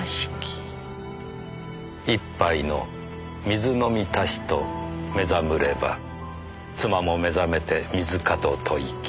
「一杯の水飲みたしと目覚むれば妻も目覚めて水かと問ひき」